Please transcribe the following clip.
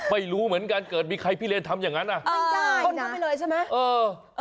ไม่รู้เหมือนกันเกิดมีใครพี่เรนท้ำอย่างน่ะเออแบวนานมาเลยใช่ไหมเออ